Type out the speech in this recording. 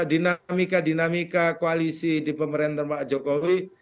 dinamika dinamika koalisi di pemerintahan pak jokowi